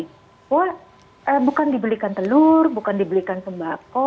bahwa bukan dibelikan telur bukan dibelikan sembako